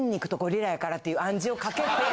やからっていう暗示をかけて。